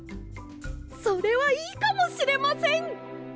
それはいいかもしれません！